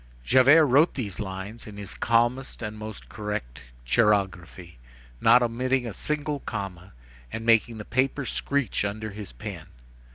Javert wrote these lines in his calmest and most correct chirography, not omitting a single comma, and making the paper screech under his pen.